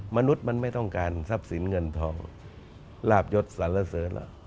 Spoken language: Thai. มนุษย์มันไม่ต้องการทรัพย์สินเงินทองลาบยศสารเสริญล่ะ